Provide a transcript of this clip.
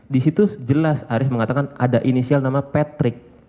di situ jelas arief mengatakan ada inisial nama patrick